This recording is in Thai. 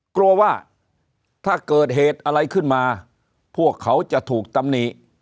กลัวว่าถ้าเกิดเหตุอะไรขึ้นมาพวกเขาจะถูกตำหนิ